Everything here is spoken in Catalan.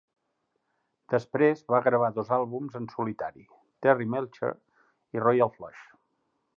Després va gravar dos àlbums en solitari "Terry Melcher" i "Royal Flush".